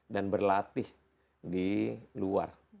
dan berlatih di luar